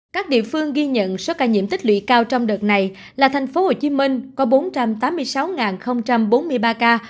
các địa phương ghi nhận số ca nhiễm tích lụy cao trong đợt này là thành phố hồ chí minh có bốn trăm tám mươi sáu bốn mươi ba ca